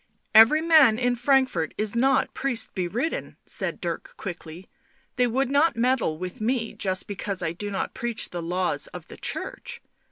" Every man in Frankfort is not priest beridden," said Dirk quickly. " They would not meddle with me just because I do not preach the laws of the Church.